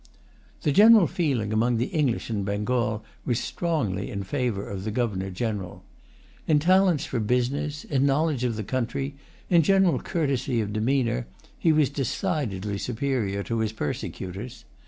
The general feeling among the English in Bengal was strongly in favor of the Governor General. In talents for business, in knowledge of the country, in general courtesy of demeanor, he was decidedly superior to his persecutors.